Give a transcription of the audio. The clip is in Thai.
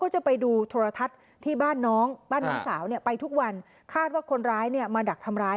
ว่าเราติดของติดเหล้าติดอะไรเนี่ย